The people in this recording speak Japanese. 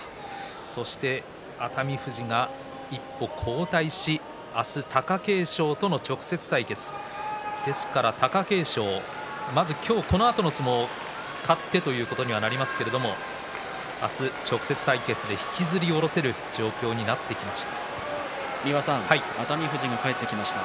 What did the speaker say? そして熱海富士が一歩後退し明日、貴景勝との直接対決ですから、貴景勝まず今日はこのあとの相撲を勝ってということにはなりますけれども明日、直接対決で引きずり下ろせる熱海富士が帰ってきました。